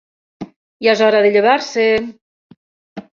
Ja és hora de llevar-se.